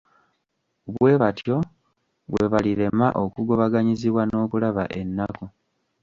Bwe batyo lwe balirema okugobaganyizibwa n'okulaba ennaku.